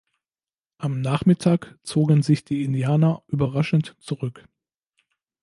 Am Nachmittag zogen sich die Indianer überraschend zurück.